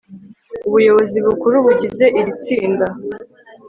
ubuyobozi bukuru bugize iritsinda